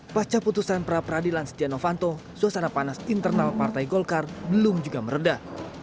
pasca putusan pra peradilan setia novanto suasana panas internal partai golkar belum juga meredah